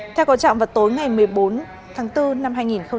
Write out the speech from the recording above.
theo có trạng vào tối ngày một mươi bốn tháng bốn năm hai nghìn một mươi chín